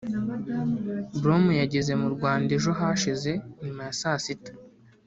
Brom yageze mu Rwanda ejo hashize nyuma ya saa sita